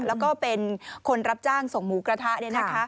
แล้วก็เป็นคนรับจ้างส่งหมูกระทะเนี่ยนะคะ